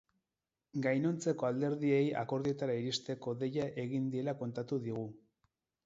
Gainontzeko alderdiei akordioetara iristeko deia egin diela kontatu digu.